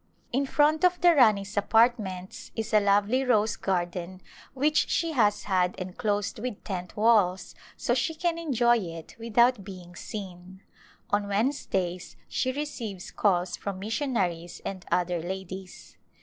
In front of the Rani's apartments is a lovely rose garden which she has had enclosed with tent walls so she can enjoy it without being seen. On Wednes days she receives calls from missionaries and other ladies.